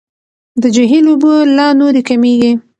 د جهیل اوبه لا نورې کمیږي.